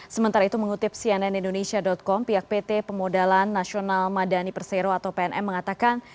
sementara itu mengutip cnn indonesia com pihak pt pemodalan nasional madani persero atau pnm mengatakan